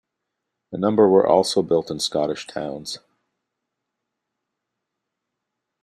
A number were also built in Scottish towns.